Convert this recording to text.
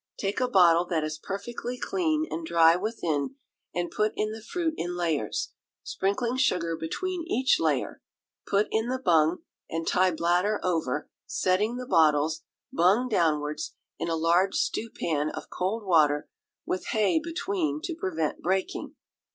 Take a bottle that is perfectly clean and dry within, and put in the fruit in layers, sprinkling sugar between each layer, put in the bung, and tie bladder over, setting the bottles, bung downwards, in a large stewpan of cold water, with hay between to prevent breaking.